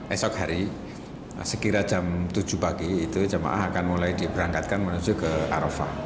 esok hari sekira jam tujuh pagi itu jemaah akan mulai diberangkatkan menuju ke arafah